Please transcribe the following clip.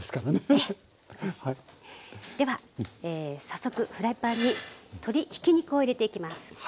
では早速フライパンに鶏ひき肉を入れていきます。